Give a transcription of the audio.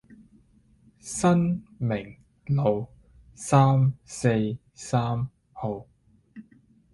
新明路三四三號